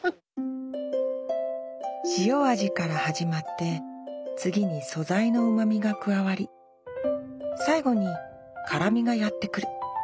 塩味から始まって次に素材のうまみが加わり最後に辛みがやってくる。